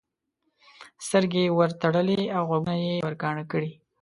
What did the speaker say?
سترګې یې ورتړلې او غوږونه یې ورکاڼه کړي.